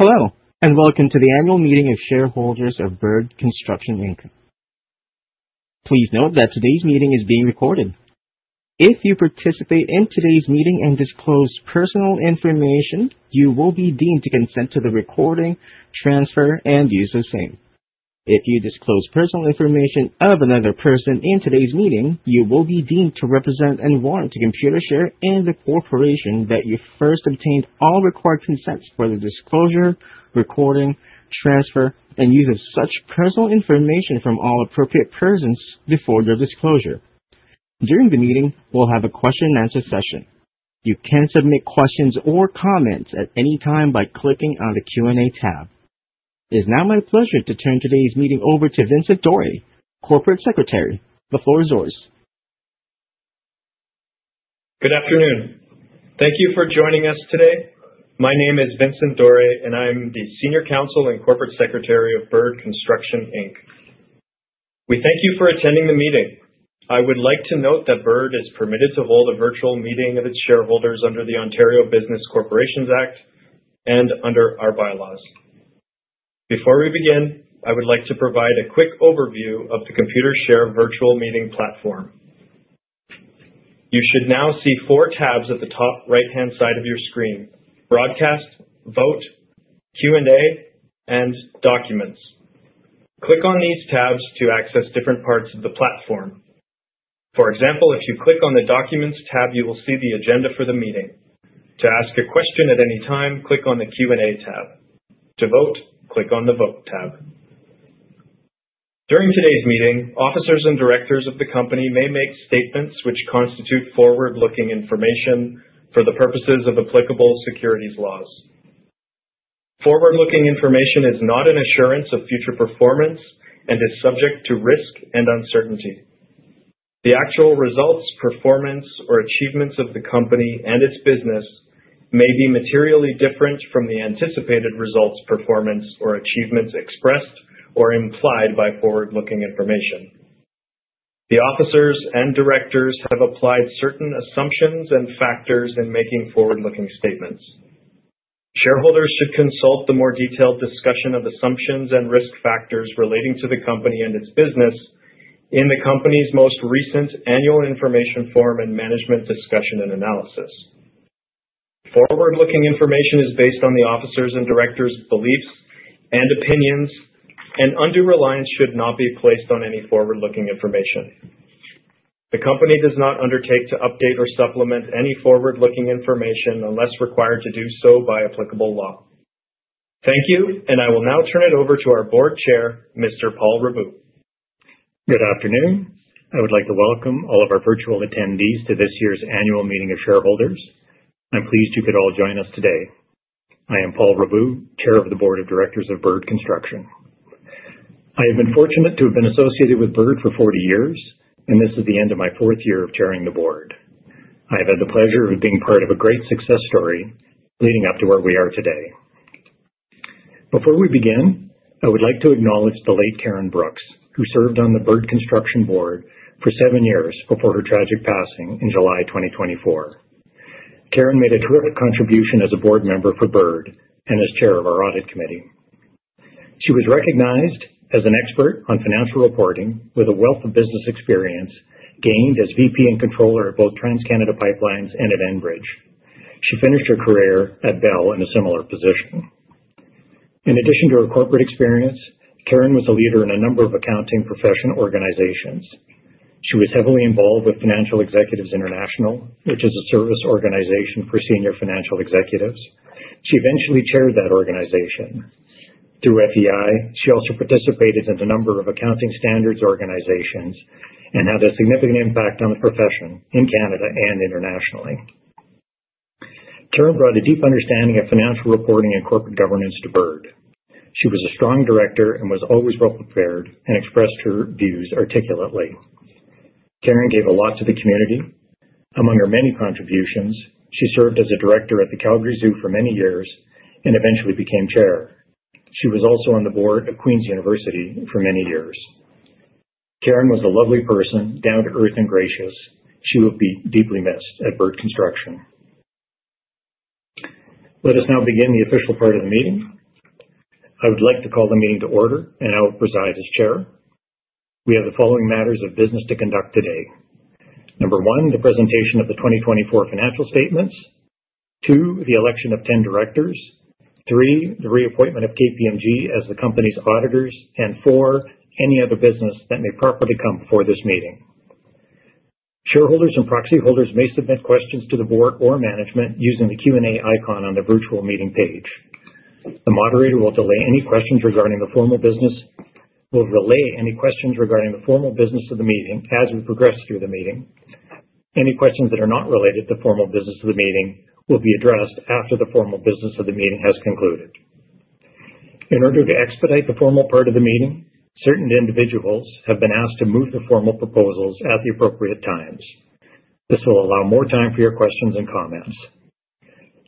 Hello, welcome to the annual meeting of shareholders of Bird Construction Inc. Please note that today's meeting is being recorded. If you participate in today's meeting and disclose personal information, you will be deemed to consent to the recording, transfer, and use of same. If you disclose personal information of another person in today's meeting, you will be deemed to represent and warrant to Computershare and the corporation that you first obtained all required consents for the disclosure, recording, transfer, and use of such personal information from all appropriate persons before their disclosure. During the meeting, we'll have a question-and-answer session. You can submit questions or comments at any time by clicking on the Q&A tab. It is now my pleasure to turn today's meeting over to Vincent Dore, Corporate Secretary. The floor is yours. Good afternoon. Thank you for joining us today. My name is Vincent Dore, and I'm the Senior Counsel and Corporate Secretary of Bird Construction Inc. We thank you for attending the meeting. I would like to note that Bird is permitted to hold a virtual meeting of its shareholders under the Ontario Business Corporations Act and under our bylaws. Before we begin, I would like to provide a quick overview of the Computershare virtual meeting platform. You should now see four tabs at the top right-hand side of your screen. Broadcast, Vote, Q&A, and Documents. Click on these tabs to access different parts of the platform. For example, if you click on the Documents tab, you will see the agenda for the meeting. To ask a question at any time, click on the Q&A tab. To vote, click on the Vote tab. During today's meeting, officers and directors of the company may make statements which constitute forward-looking information for the purposes of applicable securities laws. Forward-looking information is not an assurance of future performance and is subject to risk and uncertainty. The actual results, performance, or achievements of the company and its business may be materially different from the anticipated results, performance, or achievements expressed or implied by forward-looking information. The officers and directors have applied certain assumptions and factors in making forward-looking statements. Shareholders should consult the more detailed discussion of assumptions and risk factors relating to the company and its business in the company's most recent annual information form and management discussion and analysis. Forward-looking information is based on the officers' and directors' beliefs and opinions, and undue reliance should not be placed on any forward-looking information. The company does not undertake to update or supplement any forward-looking information unless required to do so by applicable law. Thank you, and I will now turn it over to our Board Chair, Mr. Paul Raboud. Good afternoon. I would like to welcome all of our virtual attendees to this year's annual meeting of shareholders. I'm pleased you could all join us today. I am Paul Raboud, chair of the board of directors of Bird Construction. I have been fortunate to have been associated with Bird for 40 years, and this is the end of my fourth year of chairing the board. I have had the pleasure of being part of a great success story leading up to where we are today. Before we begin, I would like to acknowledge the late Karyn A. Brooks, who served on the Bird Construction board for seven years before her tragic passing in July 2024. Karyn made a terrific contribution as a board member for Bird and as chair of our audit committee. She was recognized as an expert on financial reporting with a wealth of business experience gained as VP and controller at both TransCanada PipeLines and at Enbridge. She finished her career at Bell in a similar position. In addition to her corporate experience, Karyn A. Brooks was a leader in a number of accounting professional organizations. She was heavily involved with Financial Executives International, which is a service organization for senior financial executives. She eventually chaired that organization. Through FEI, she also participated in a number of accounting standards organizations and had a significant impact on the profession in Canada and internationally. Karyn A. Brooks brought a deep understanding of financial reporting and corporate governance to Bird. She was a strong director and was always well-prepared and expressed her views articulately. Karyn A. Brooks gave a lot to the community. Among her many contributions, she served as a director at the Calgary Zoo for many years and eventually became chair. She was also on the board of Queen's University for many years. Karyn A. Brooks was a lovely person, down-to-earth, and gracious. She will be deeply missed at Bird Construction. Let us now begin the official part of the meeting. I would like to call the meeting to order, and I will preside as chair. We have the following matters of business to conduct today. Number one, the presentation of the 2024 financial statements. Two, the election of 10 directors. Three, the reappointment of KPMG as the company's auditors. Four, any other business that may properly come before this meeting. Shareholders and proxy holders may submit questions to the board or management using the Q&A icon on the virtual meeting page. The moderator will relay any questions regarding the formal business of the meeting as we progress through the meeting. Any questions that are not related to formal business of the meeting will be addressed after the formal business of the meeting has concluded. In order to expedite the formal part of the meeting, certain individuals have been asked to move the formal proposals at the appropriate times. This will allow more time for your questions and comments.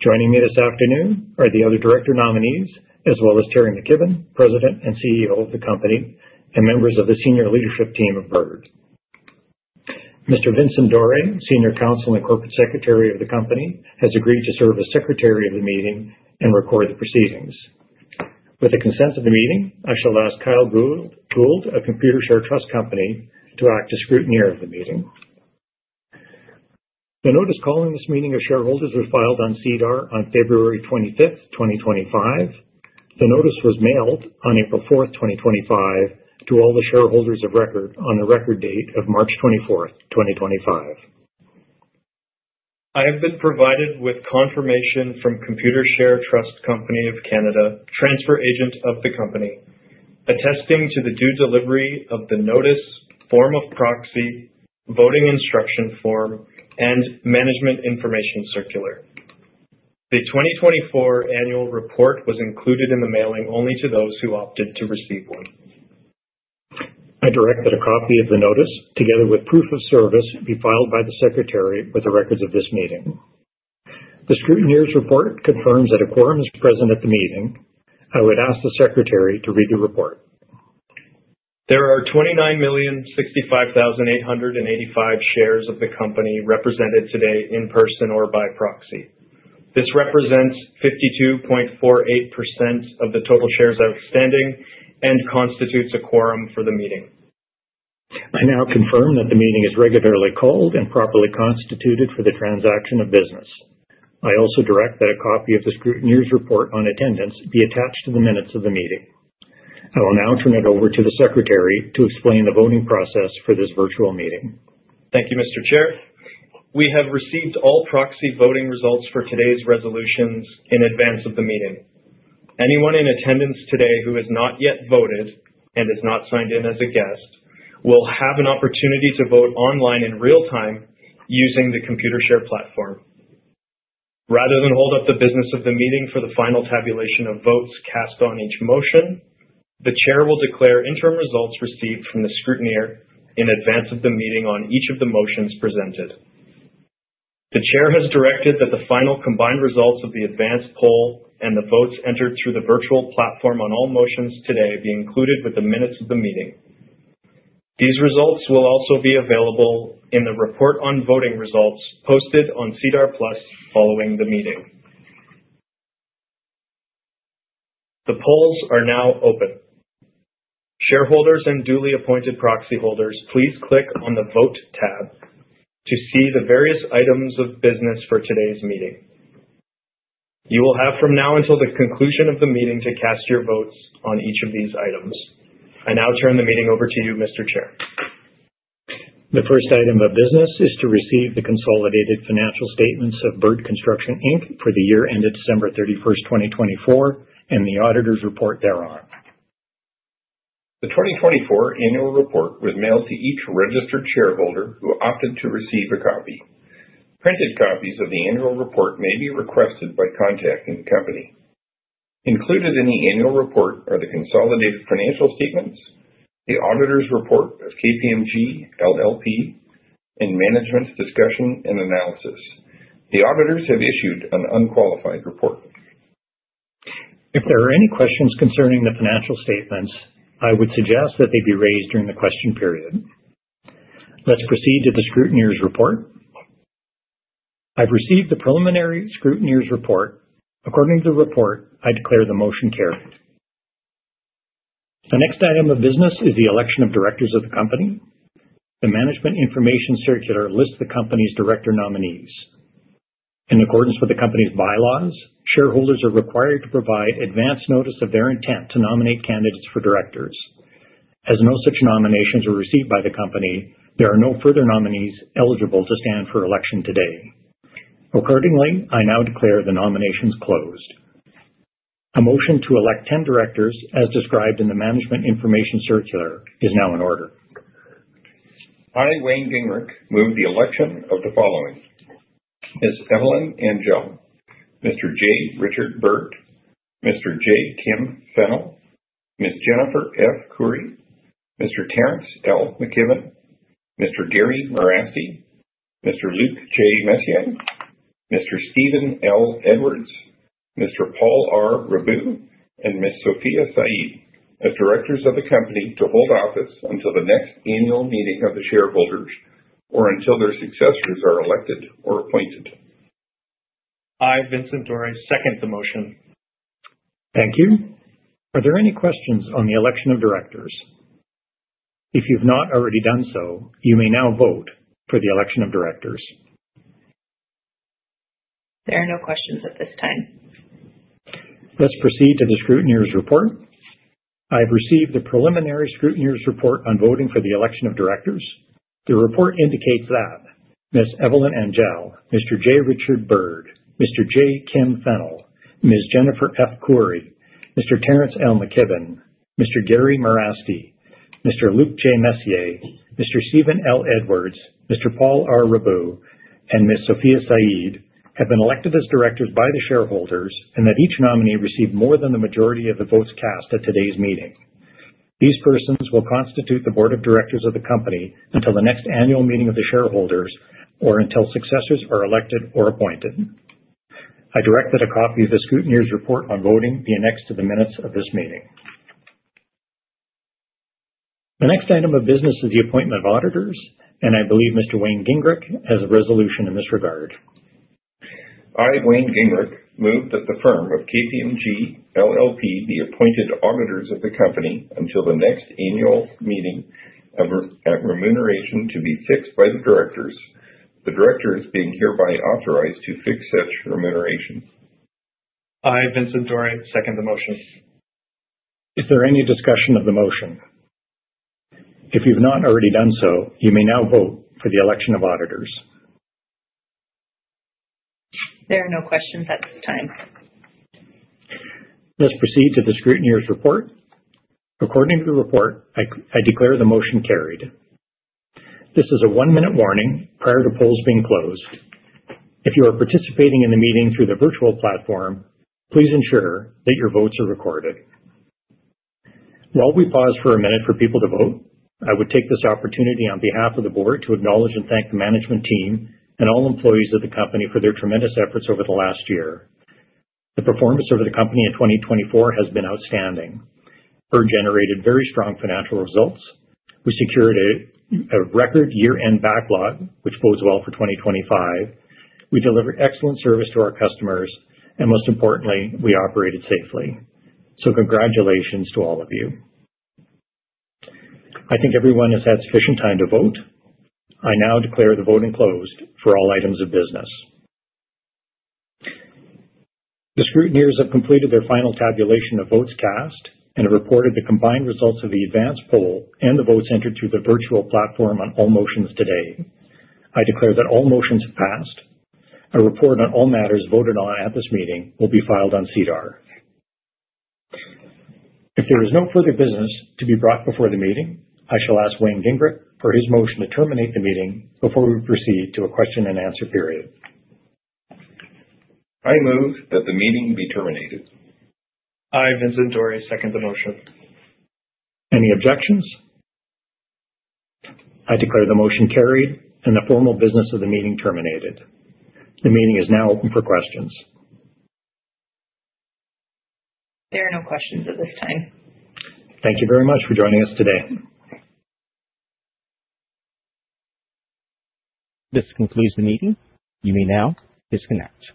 Joining me this afternoon are the other director nominees, as well as Teri McKibbon, President and CEO of the company, and members of the senior leadership team of Bird. Mr. Vincent Dore, Senior Counsel and Corporate Secretary of the company, has agreed to serve as Secretary of the meeting and record the proceedings. With the consent of the meeting, I shall ask Kyle Gould of Computershare Trust Company to act as Scrutineer of the meeting. The notice calling this meeting of shareholders was filed on SEDAR on February 25th, 2025. The notice was mailed on April 4th, 2025, to all the shareholders of record on the record date of March 24th, 2025. I have been provided with confirmation from Computershare Trust Company of Canada, transfer agent of the company, attesting to the due delivery of the notice, form of proxy, voting instruction form, and management information circular. The 2024 annual report was included in the mailing only to those who opted to receive one. I direct that a copy of the notice, together with proof of service, be filed by the Secretary with the records of this meeting. The Scrutineer's report confirms that a quorum is present at the meeting. I would ask the Secretary to read the report. There are 29 million, 65,885 shares of the company represented today in person or by proxy. This represents 52.48% of the total shares outstanding and constitutes a quorum for the meeting. I now confirm that the meeting is regularly called and properly constituted for the transaction of business. I also direct that a copy of the Scrutineer's report on attendance be attached to the minutes of the meeting. I will now turn it over to the Secretary to explain the voting process for this virtual meeting. Thank you, Mr. Chair. We have received all proxy voting results for today's resolutions in advance of the meeting. Anyone in attendance today who has not yet voted and is not signed in as a guest will have an opportunity to vote online in real time using the Computershare platform. Rather than hold up the business of the meeting for the final tabulation of votes cast on each motion, the Chair will declare interim results received from the Scrutineer in advance of the meeting on each of the motions presented. The Chair has directed that the final combined results of the advanced poll and the votes entered through the virtual platform on all motions today be included with the minutes of the meeting. These results will also be available in the report on voting results posted on SEDAR+ following the meeting. The polls are now open. Shareholders and duly appointed proxy holders, please click on the Vote tab to see the various items of business for today's meeting. You will have from now until the conclusion of the meeting to cast your votes on each of these items. I now turn the meeting over to you, Mr. Chair. The first item of business is to receive the consolidated financial statements of Bird Construction Inc. for the year ended December 31st, 2024, and the auditor's report thereon. The 2024 annual report was mailed to each registered shareholder who opted to receive a copy. Printed copies of the annual report may be requested by contacting the company. Included in the annual report are the consolidated financial statements, the Auditor's report of KPMG LLP, and Management's discussion and analysis. The auditors have issued an unqualified report. If there are any questions concerning the financial statements, I would suggest that they be raised during the question period. Let's proceed to the Scrutineer's report. I've received the preliminary Scrutineer's report. According to the report, I declare the motion carried. The next item of business is the election of directors of the company. The management information circular lists the company's director nominees. In accordance with the company's bylaws, shareholders are required to provide advance notice of their intent to nominate candidates for directors. As no such nominations were received by the company, there are no further nominees eligible to stand for election today. Accordingly, I now declare the nominations closed. A motion to elect 10 directors as described in the management information circular is now in order. I, Wayne Gingrich, move the election of the following, Ms. Evelyn Angelle, Mr. J. Richard Bird, Mr. J. Kim Fennell, Ms. Jennifer F. Koury, Mr. Terrance L. McKibbon, Mr. Gary Merasty, Mr. Luc J. Messier, Mr. Steven L. Edwards, Mr. Paul R. Raboud, and Ms. Sophia Saeed as directors of the company to hold office until the next annual meeting of the shareholders or until their successors are elected or appointed. I, Vincent Dore, second the motion. Thank you. Are there any questions on the election of directors? If you've not already done so, you may now vote for the election of directors. There are no questions at this time. Let's proceed to the Scrutineer's report. I have received the preliminary Scrutineer's report on voting for the election of directors. The report indicates that Ms. Evelyn Angelle, Mr. J. Richard Bird, Mr. J. Kim Fennell, Ms. Jennifer F. Koury, Mr. Terrance L. McKibbon, Mr. Gary Merasty, Mr. Luc J. Messier, Mr. Steven L. Edwards, Mr. Paul R. Raboud, and Ms. Sophia Saeed have been elected as directors by the shareholders and that each nominee received more than the majority of the votes cast at today's meeting. These persons will constitute the board of directors of the company until the next annual meeting of the shareholders or until successors are elected or appointed. I direct that a copy of the Scrutineer's report on voting be annexed to the minutes of this meeting. The next item of business is the appointment of auditors, and I believe Mr. Wayne Gingrich has a resolution in this regard. I, Wayne Gingrich, move that the firm of KPMG LLP be appointed auditors of the company until the next annual meeting at remuneration to be fixed by the directors. The directors being hereby authorized to fix such remuneration. I, Vincent Dore, second the motion. Is there any discussion of the motion? If you've not already done so, you may now vote for the election of auditors. There are no questions at this time. Let's proceed to the scrutineer's report. According to the report, I declare the motion carried. This is a one-minute warning prior to polls being closed. If you are participating in the meeting through the virtual platform, please ensure that your votes are recorded. While we pause for a minute for people to vote, I would take this opportunity on behalf of the board to acknowledge and thank the management team and all employees of the company for their tremendous efforts over the last year. The performance over the company in 2024 has been outstanding. Bird generated very strong financial results. We secured a record year-end backlog, which bodes well for 2025. We delivered excellent service to our customers, and most importantly, we operated safely. Congratulations to all of you. I think everyone has had sufficient time to vote. I now declare the voting closed for all items of business. The scrutineers have completed their final tabulation of votes cast and have reported the combined results of the advanced poll and the votes entered through the virtual platform on all motions today. I declare that all motions passed. A report on all matters voted on at this meeting will be filed on SEDAR. If there is no further business to be brought before the meeting, I shall ask Wayne Gingrich for his motion to terminate the meeting before we proceed to a question-and-answer period. I move that the meeting be terminated. I, Vincent Dore, second the motion. Any objections? I declare the motion carried and the formal business of the meeting terminated. The meeting is now open for questions. There are no questions at this time. Thank you very much for joining us today. This concludes the meeting. You may now disconnect.